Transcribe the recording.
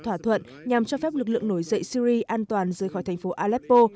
thỏa thuận nhằm cho phép lực lượng nổi dậy syri an toàn rời khỏi thành phố aleppo